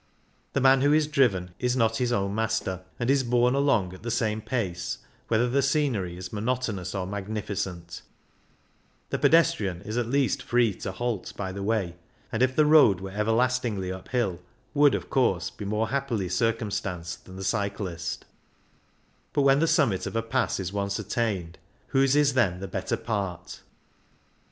The man who is driven is not his own master, and is borne along at the same pace whether the scenery is monotonous or magnificent ; the pedestrian is at least free to halt by the way, and if the road were everlastingly uphill, would, of course, be more happily circumstanced than the cyclist But when the summit of a pass is once attained, whose is then the better part